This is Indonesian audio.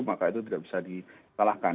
maka itu tidak bisa disalahkan